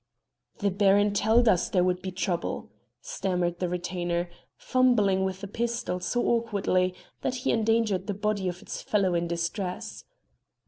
"The Baron tell't us there would be trouble," stammered the retainer, fumbling with the pistol so awkwardly that he endangered the body of his fellow in distress.